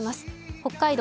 北海道